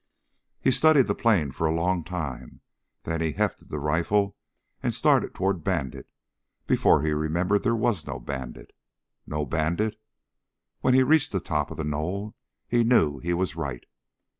He studied the plain for a long time, then hefted the rifle and started toward Bandit before he remembered there was no Bandit. No Bandit? When he reached the top of the knoll, he knew he was right.